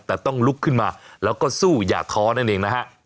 แต่ต้องลุกขึ้นมาแล้วก็สู้อย่าท้อนั่นเองนะฮะ